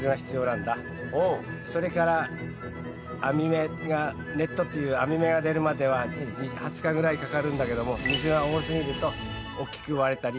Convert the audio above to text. それから網目がネットっていう網目が出るまでは２０日ぐらいかかるんだけども水が多すぎると大きく割れたり変な網目になっちゃうんだ。